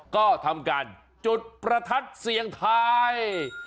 ก็ทำการจุดประทัดเสียงทาย